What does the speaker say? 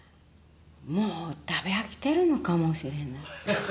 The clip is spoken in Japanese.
もう食べ飽きてるのかもしれない。